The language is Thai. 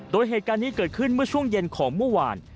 โดยเหตุการณ์นี้เกิดขึ้นเมื่อช่วงเย็นของเมื่อวาน